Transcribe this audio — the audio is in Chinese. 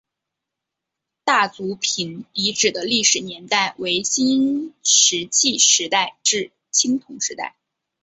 大族坪遗址的历史年代为新石器时代至青铜时代。